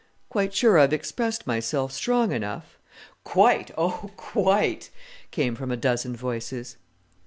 "Quite sure I've expressed myself strong enough?" "Quite! Oh, quite!" came from a dozen voices.